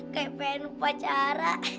kayak pengen upacara